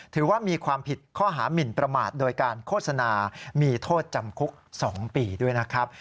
ถือว่ามีความผิดข้อหามินประมาทโดยการโฆษณามีโทษจำคุก๒ปีด้วยนะครับ